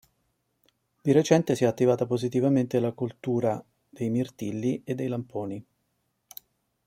Di recente si è attivata positivamente la coltura dei mirtilli e dei lamponi.